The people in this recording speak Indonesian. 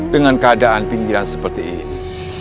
dengan keadaan pinggiran seperti ini